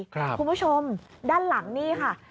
คุณผู้ชมด้านหลังนี่ค่ะ